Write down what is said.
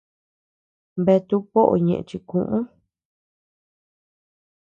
Bea tuʼu poʼo ñeʼe chikuʼü.